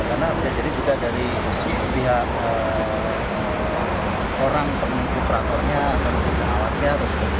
karena bisa jadi juga dari pihak orang pengoperatornya atau pengawasnya atau sebagainya